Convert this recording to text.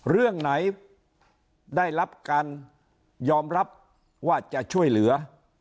เรื่องไหนได้รับการยอมรับว่าจะช่วยเหลือ